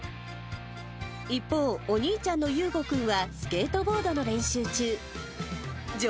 一方、お兄ちゃんの雄剛君はスケートボードの練習中。